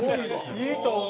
いいと思う！